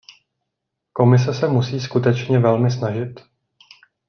Komise se musí skutečně velmi snažit.